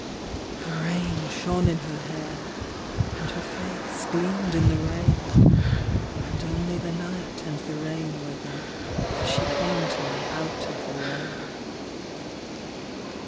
The rain shone in her hair, And her face gleamed in the rain; And only the night and the rain were there As she came to me out of the rain.